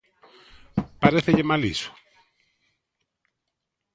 ¿Parécelle mal iso?